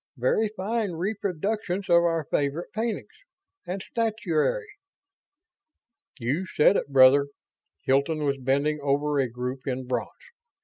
Very fine reproductions of our favorite paintings ... and statuary." "You said it, brother." Hilton was bending over a group in bronze.